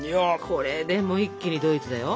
これでもう一気にドイツだよ。